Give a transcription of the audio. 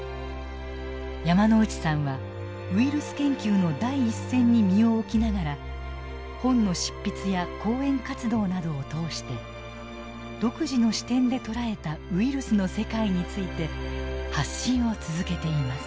山内さんはウイルス研究の第一線に身を置きながら本の執筆や講演活動などを通して独自の視点で捉えたウイルスの世界について発信を続けています。